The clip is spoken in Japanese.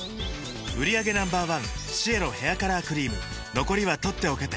売上№１シエロヘアカラークリーム残りは取っておけて